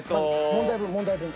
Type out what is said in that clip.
問題文問題文。